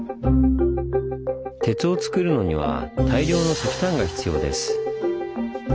鉄をつくるのには大量の石炭が必要です。